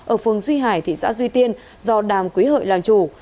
ở phường duy hải thị xã duy tiên do đàng quý hợi làm chủ